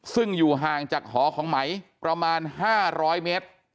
ซึ่งอยู่ห่างจากหอของไหมประมาณ๕๐๐เมตร